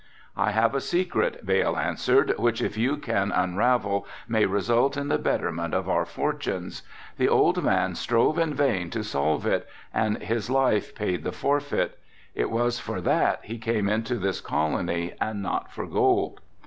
"I have a secret," Vail answered, "which if you can unravel may result in the betterment of our fortunes. The old man strove in vain to solve it and his life paid the forfeit. It was for that he came into this colony and not for gold."